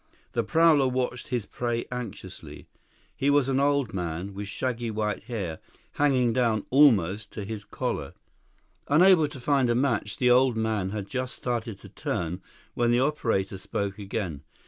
The prowler watched his prey anxiously. He was an old man, with shaggy white hair hanging down almost to his collar. 4 Unable to find a match, the old man had just started to turn when the operator spoke again.